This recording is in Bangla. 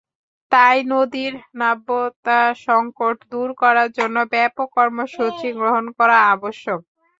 তাই নদীর নাব্যতাসংকট দূর করার জন্য ব্যাপক কর্মসূচি গ্রহণ করা আবশ্যক।